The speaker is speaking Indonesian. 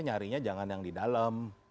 nyarinya jangan yang di dalam